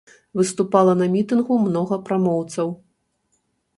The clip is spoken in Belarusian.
Выступала на мітынгу многа прамоўцаў.